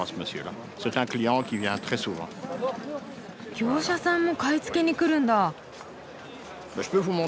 業者さんも買い付けに来るんだ。